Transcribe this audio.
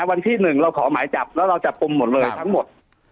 วันที่๑เราขอหมายจับแล้วเราจับกลุ่มหมดเลยทั้งหมด